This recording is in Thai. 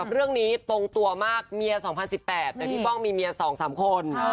เรื่องนี้ตรงตัวมากเมีย๒๐๑๘แต่พี่ป้องมีเมีย๒๓คน